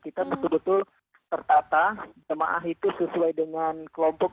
kita betul betul tertata jemaah itu sesuai dengan kelompok